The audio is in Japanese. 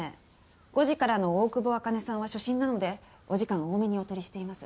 ５時からの大久保茜さんは初診なのでお時間多めにお取りしています。